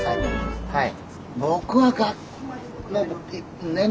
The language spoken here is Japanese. はい。